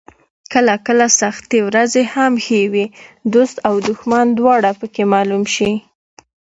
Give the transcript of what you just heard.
کله کله سختې ورځې هم ښې وي، دوست او دښمن دواړه پکې معلوم شي.